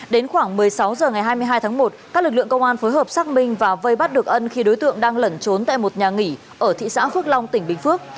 đến khoảng một mươi sáu h ngày hai mươi hai tháng một các lực lượng công an phối hợp xác minh và vây bắt được ân khi đối tượng đang lẩn trốn tại một nhà nghỉ ở thị xã phước long tỉnh bình phước